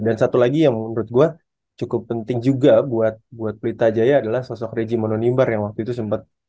dan satu lagi yang menurut gue cukup penting juga buat pelita jaya adalah sosok regi mononibar yang waktu itu sempet